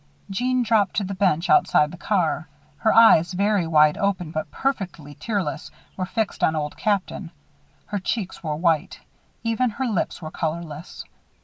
Jeanne dropped to the bench outside the car. Her eyes, very wide open but perfectly tearless, were fixed on Old Captain. Her cheeks were white. Even her lips were colorless.